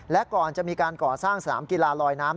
และก่อนจะมีการก่อสร้างสนามกีฬาลอยน้ำ